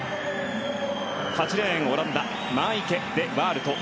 ８レーン、オランダマーイケ・デ・ワールト。